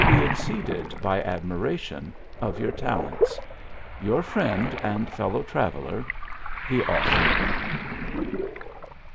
e exceeded by ad miration of your talents. Your friend and fellow traveller, THE AUTHOR.